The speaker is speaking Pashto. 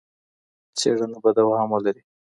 څېړنه به دوام ولري.